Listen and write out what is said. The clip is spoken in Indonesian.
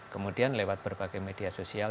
kemudian lewat berbagai media sosial